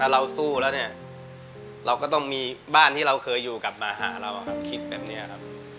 เราสู้แล้วเนี่ยเราก็ต้องมีบ้านที่เราเคยอยู่กลับมาหาเราครับคิดแบบนี้ครับ